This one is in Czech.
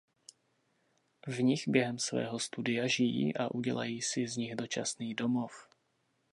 V nich během svého studia žijí a udělají si z nich dočasný domov.